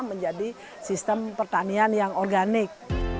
menjadi sistem pertanian yang organik